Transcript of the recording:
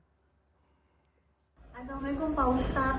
assalamu'alaikum pak ustadz